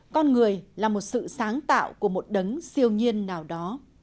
con người là một sự sáng tạo của một đấng siêu nhiên nào đó